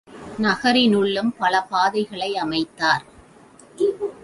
நகரினுள்ளும் பல பாதைகளை அமைத்தார்.